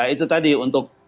itu tadi untuk